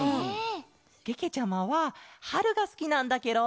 けけちゃまははるがすきなんだケロ！